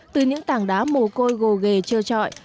từ những tảng đá mồ côi gồ ghề trơ trọi